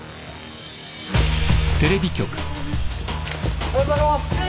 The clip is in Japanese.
おはようございます。